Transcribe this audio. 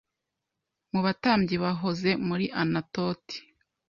mu batambyi bahoze muri Anatoti